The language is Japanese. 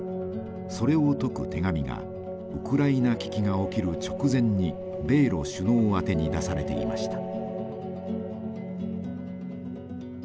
それを説く手紙がウクライナ危機が起きる直前に米ロ首脳宛てに出されていました。